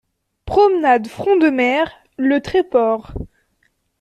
Promenade Front de Mer, Le Tréport